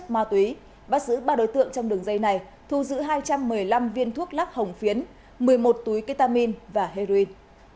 ma túy bắt giữ ba đối tượng trong đường dây này thu giữ hai trăm một mươi năm viên thuốc lác hồng phiến một mươi một túi ketamin và heroin